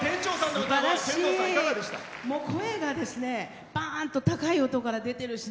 声がバーンと高い音から出てるし。